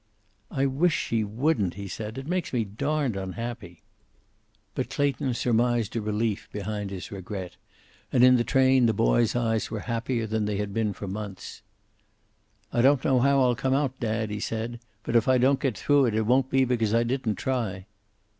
"I wish she wouldn't," he said. "It makes me darned unhappy." But Clayton surmised a relief behind his regret, and in the train the boy's eyes were happier than they had been for months. "I don't know how I'll come out, dad," he said. "But if I don't get through it won't be because I didn't try."